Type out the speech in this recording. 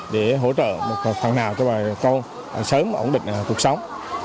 để hỗ trợ một phần nào cho bà con sớm ổn định cuộc sống